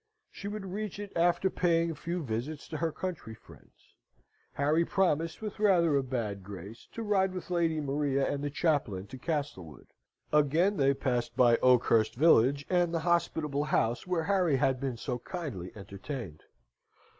She would reach it after paying a few visits to her country friends. Harry promised, with rather a bad grace, to ride with Lady Maria and the chaplain to Castlewood. Again they passed by Oakhurst village, and the hospitable house where Harry had been so kindly entertained.